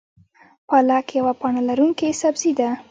پالک یوه پاڼه لرونکی سبزی ده